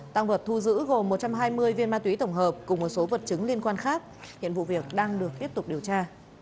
tăng vật thu giữ gồm một trăm hai mươi viên ma túy tổng hợp cùng một số vật chứng liên quan khác hiện vụ việc đang được tiếp tục điều tra